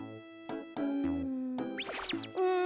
うんうん。